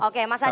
oke mas adi